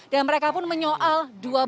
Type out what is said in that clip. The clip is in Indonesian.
dan mereka pun menyoal dua belas